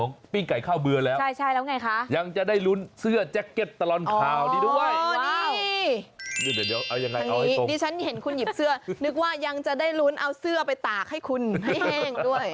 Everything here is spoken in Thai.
นี่ฉันเห็นคุณหยิบเสื้อนึกว่ายังจะได้ลุ้นเอาเสื้อไปตากให้คุณให้แห้งด้วย